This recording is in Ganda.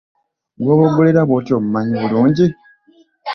Gw'oboggolera bwotyo omumanyi bulungi.